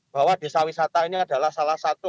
bahwa desa wisata ini adalah salah satu